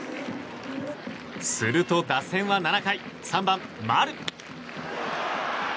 すると打線は７回３番、丸。